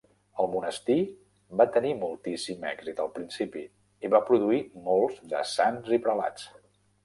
El monestir va tenir moltíssim èxit al principi, i va produir molts de sants i prelats.